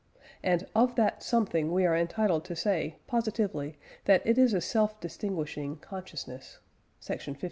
And "of that 'something' we are entitled to say, positively, that it is a self distinguishing consciousness" (section 52).